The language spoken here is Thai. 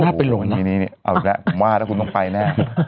โหน่าเป็นหลวงนะอ๋อนี่นี่นี่เอาละผมว่าแล้วคุณต้องไปแน่